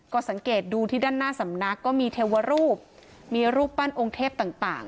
ก็สังเกตดูที่ด้านหน้าสำนักก็มีเทวรูปมีรูปปั้นองค์เทพต่าง